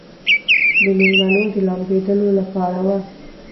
د مېلمنو د لامبېدلو لپاره و.